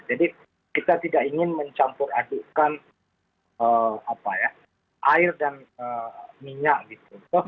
jadi kita tidak ingin mencampur adukkan air dan minyak gitu